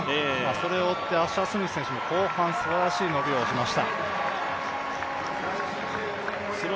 それを追ってアッシャー・スミス選手も後半、すばらしい走りを見せました。